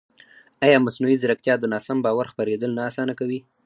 ایا مصنوعي ځیرکتیا د ناسم باور خپرېدل نه اسانه کوي؟